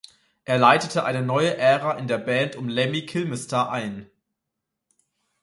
Er leitete eine neue Ära in der Band um Lemmy Kilmister ein.